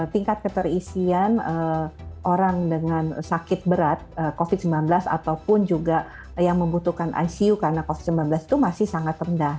tingkat keterisian orang dengan sakit berat covid sembilan belas ataupun juga yang membutuhkan icu karena covid sembilan belas itu masih sangat rendah